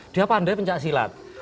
dia pandai pencaksilat